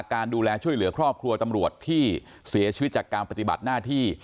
การดูแลช่วยเหลือครอบครัวตำรวจที่เสียชีวิตจากการปฏิบัติหน้าที่